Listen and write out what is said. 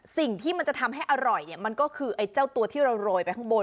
สิ่งที่มันจะทำให้อร่อยเนี่ยมันก็คือไอ้เจ้าตัวที่เราโรยไปข้างบน